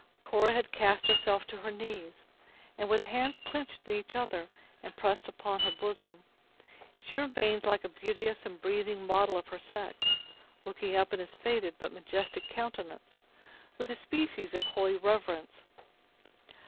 Cora had cast herself to her knees; and, with hands clenched in each other and pressed upon her bosom, she remained like a beauteous and breathing model of her sex, looking up in his faded but majestic countenance, with a species of holy reverence.